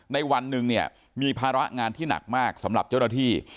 ในวันหนึ่งเนี่ยมีภาระงานที่หนักมากสำหรับเจ้าหน้าที่